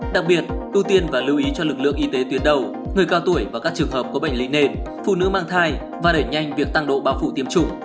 đặc biệt ưu tiên và lưu ý cho lực lượng y tế tuyến đầu người cao tuổi và các trường hợp có bệnh lý nền phụ nữ mang thai và đẩy nhanh việc tăng độ bao phủ tiêm chủng